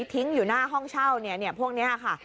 ทิ้งอยู่หน้าห้องเช่าพวกนี้ค่ะ